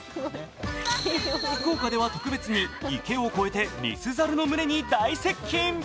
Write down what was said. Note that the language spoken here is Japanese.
福岡では特別に池を越えてリスザルの群れに大接近。